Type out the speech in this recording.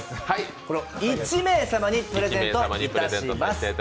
これを１名様にプレゼントいたします。